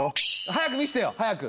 早く見せてよ早く！